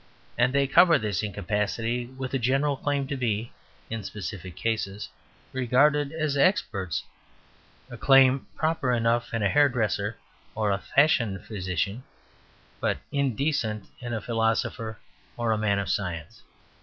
And they cover this incapacity with a general claim to be, in specific cases, regarded as "experts", a claim "proper enough in a hairdresser or a fashionable physician, but indecent in a philosopher or a man of science."